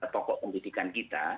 pokok pendidikan kita